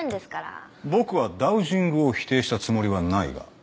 僕はダウジングを否定したつもりはないが。